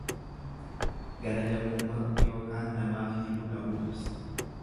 Gara jabummaa ykn namaaf hiluu dhabuu ibsa.